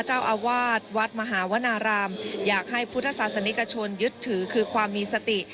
เจ้าอาวาสวัดมหาวนารามอยากให้พุทธศาสนิกชนยึดถือคือความมีสติ